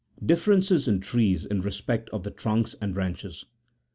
rIEEERENCES IN TREES IN RESPECT OE THE TRUNKS AND BKANCHES.